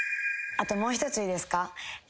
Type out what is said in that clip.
あともう１ついいですか？